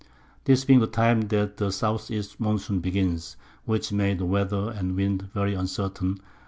This being the Time that the S. East Monsoon begins, which made the Weather and Wind very uncertain.